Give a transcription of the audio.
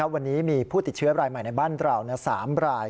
วันนี้มีผู้ติดเชื้อรายใหม่ในบ้านเรา๓ราย